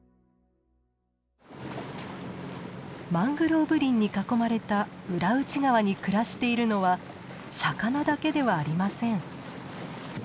マングローブ林に囲まれた浦内川に暮らしているのは魚だけではありません。